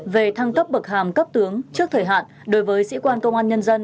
về thăng cấp bậc hàm cấp tướng trước thời hạn đối với sĩ quan công an nhân dân